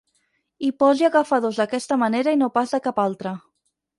Hi posi agafadors d'aquesta manera i no pas de cap altra.